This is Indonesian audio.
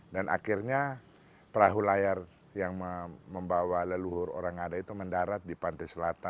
dan akhirnya perahu layar yang membawa leluhur orang ngada itu mendarat di pantai selatan